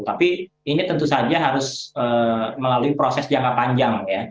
tapi ini tentu saja harus melalui proses jangka panjang ya